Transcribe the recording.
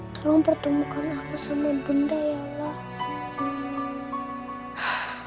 tolong pertemukan aku sama bunda ya allah